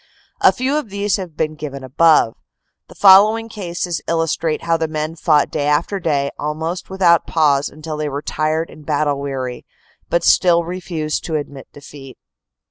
A few of these have been given above. The following cases illustrate how the men fought day after day 268 CANADA S HUNDRED DAYS almost without pause until they were tired and battle weary, but still refused to admit defeat.